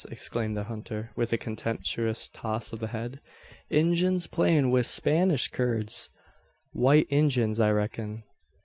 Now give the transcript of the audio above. exclaimed the hunter, with a contemptuous toss of the head. "Injuns playin' wi' Spanish curds! White Injuns, I reck'n."